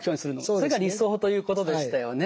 それが理想ということでしたよね。